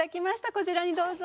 こちらにどうぞ。